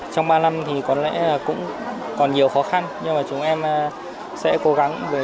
trong ba năm thì có lẽ cũng còn nhiều khó khăn nhưng mà chúng em sẽ cố gắng với cái